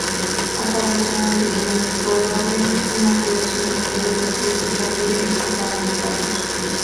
Apareció en "The Negro Problem", una colección de ensayos escritos por líderes afroamericanos.